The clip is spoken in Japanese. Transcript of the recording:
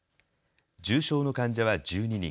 重症の患者は１２人。